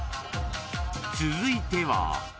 ［続いては］